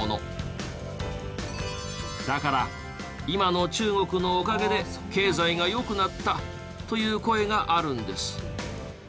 だから今の中国のおかげで経済が良くなったという声があるんです。